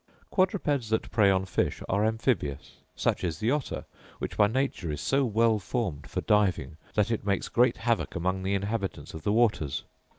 Quadrupeds that prey on fish are amphibious: such is the otter, which by nature is so well formed for diving, that it makes great havoc among the inhabitants of the waters.